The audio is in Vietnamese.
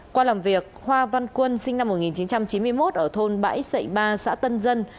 qua làm việc hoa văn quân sinh năm một nghìn chín trăm chín mươi một ở thôn bãi sậy ba xã tân dân